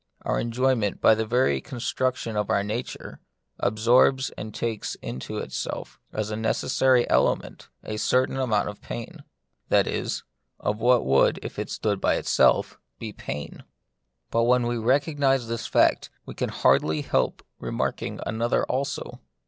Our enjoyment, by the very construction of our nature, absorbs, and takes into itself as a necessary element, a certain amount of pain ; that is, of what would, if it stood by itself, be pain. But when we recognise this fact, we can hardly help remarking another also.